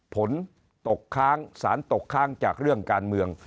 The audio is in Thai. ตกค้างสารตกค้างจากเรื่องการเมือง